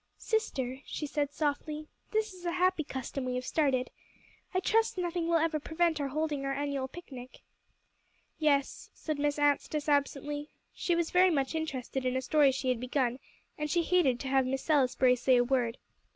"Sister," she said softly, "this is a happy custom we have started. I trust nothing will ever prevent our holding our annual picnic." "Yes," said Miss Anstice absently. She was very much interested in a story she had begun, and she hated to have Miss Salisbury say a word.